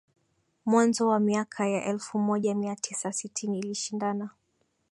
Mwanzo wa miaka ya elfumoja miatisa sitini ilishindana